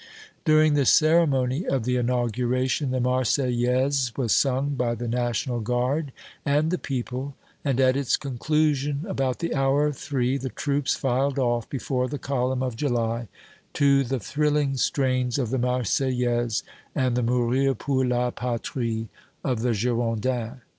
During the ceremony of the inauguration, the "Marseillaise" was sung by the National Guard and the people, and, at its conclusion, about the hour of three, the troops filed off before the Column of July to the thrilling strains of the "Marseillaise" and the "Mourir Pour la Patrie" of the Girondins.